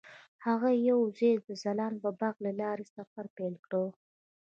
هغوی یوځای د ځلانده باغ له لارې سفر پیل کړ.